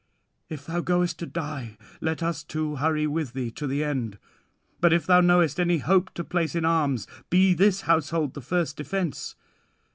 "If thou goest to die, let us too hurry with thee to the end. But if thou knowest any hope to place in arms, be this household thy first defence.